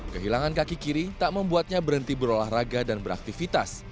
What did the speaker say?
kehilangan kaki kiri tak membuatnya berhenti berolahraga dan beraktivitas